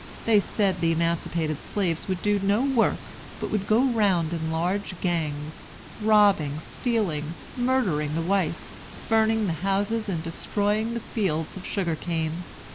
They said the emancipated slaves would do no work, but would go round in large gangs, robbing, stealing, murdering the whites, burning the houses, and destroying the fields of sugar cane.